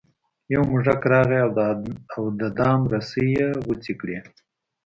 یو موږک راغی او د دام رسۍ یې غوڅې کړې.